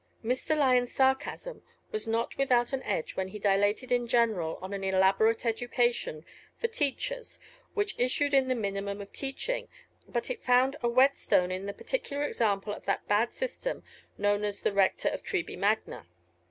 Mr. Lyon's sarcasm was not without an edge when he dilated in general on an elaborate education for teachers which issued in the minimum of teaching, but it found a whetstone in the particular example of that bad system known as the rector of Treby Magna.